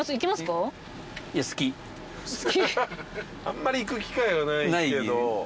あんまり行く機会はないけど。